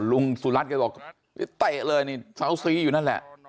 ลุงสุรัตนแกบอกเตะเลยนี่เซาซีอยู่นั่นแหละ